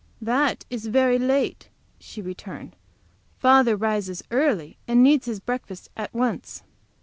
"That is very late," she returned. "Father rises early and needs his breakfast at once."